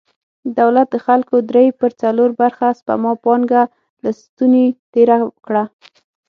دولت د خلکو درې پر څلور برخه سپما پانګه له ستونې تېره کړه.